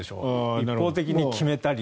一方的に決めたり。